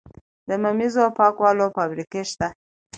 د ممیزو پاکولو فابریکې شته؟